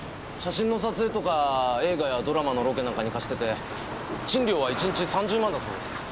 写真の撮影とか映画やドラマのロケなんかに貸してて賃料は１日３０万だそうです。